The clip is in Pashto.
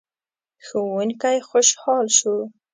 ښوونکی خوشحال شو.